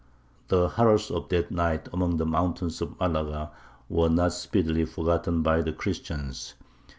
The horrors of that night among the mountains of Malaga were not speedily forgotten by the Christians.